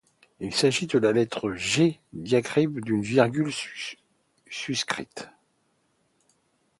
Il s’agit de la lettre G diacritée d’une virgule suscrite.